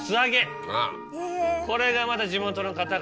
これがまた地元の方が。